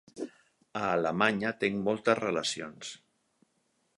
A Alemanya tinc moltes relacions.